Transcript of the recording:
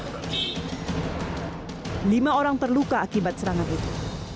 selain itu lima orang terluka akibat serangan itu